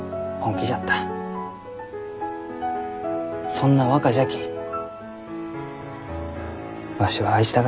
そんな若じゃきわしは愛したがじゃ。